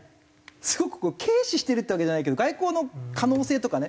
すごくこう軽視してるっていうわけじゃないけど外交の可能性とかね